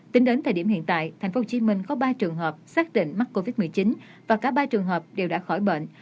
tính đến thời điểm hiện tại tp hcm có ba trường hợp xác định mắc covid một mươi chín và cả ba trường hợp đều đã khỏi bệnh